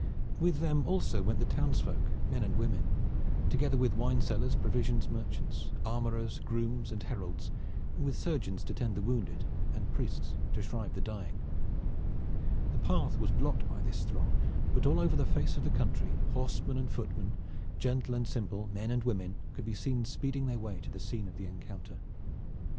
With them also went the townsfolk, men and women, together with wine sellers, provisions merchants, armorers, grooms and heralds, with surgeons to tend the wounded and priests to shrive the dying. The path was blocked by this throng, but all over the face of the country horsemen and footmen, gentle and simple, men and women, could be seen speeding their way to the scene of the encounter.